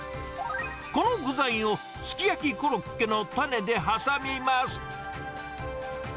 この具材を、すき焼コロッケの種で挟みます。